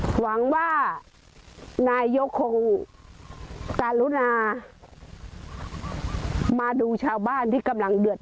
หวังว่านายกคงการุณามาดูชาวบ้านที่กำลังเดือด